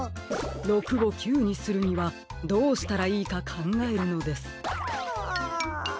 ６を９にするにはどうしたらいいかかんがえるのです。は。